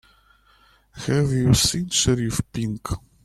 Have you seen Sheriff Pink?